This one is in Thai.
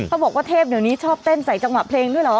บอกว่าเทพเดี๋ยวนี้ชอบเต้นใส่จังหวะเพลงด้วยเหรอ